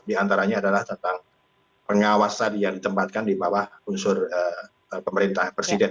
di antaranya adalah tentang pengawasan yang ditempatkan di bawah unsur pemerintah presiden